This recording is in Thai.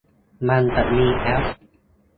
มันจะมีแอป